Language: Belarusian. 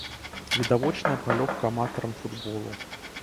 Відавочная палёгка аматарам футболу.